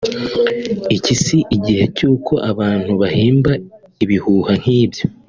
Iki si igihe cy’uko abantu bahimba ibihuha nk’ibyo